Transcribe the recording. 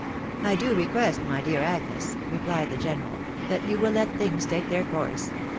" I do request, my dearest Agnes," replied the general, "that you will let things take their course.